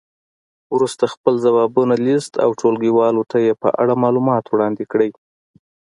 وروسته خپل ځوابونه لیست او ټولګیوالو ته یې په اړه معلومات وړاندې کړئ.